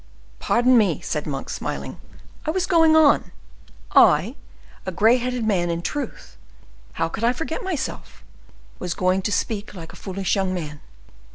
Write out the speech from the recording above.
"Pardon me," said Monk, smiling, "I was going on—I, a gray headed man—in truth, how could I forget myself? was going to speak like a foolish young man."